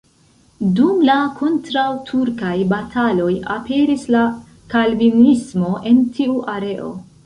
Dum la kontraŭturkaj bataloj aperis la kalvinismo en tiu areo.